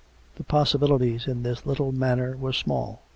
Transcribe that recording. The possibilities in this little manor were small.